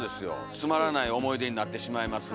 「つまらない思い出になってしまいます」なんて。